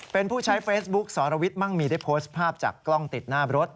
เป็นผู้ใช้เฟซบุ๊กสรวิทย์มั่งมีได้โพสต์ภาพจากกล้องติดหน้ารถ